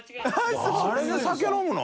あれで酒飲むの？